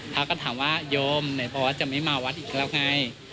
พระก็ถามว่าโยมไหนบอกว่าจะไม่มาวัดอีกแล้วไง